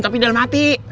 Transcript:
tapi dalam hati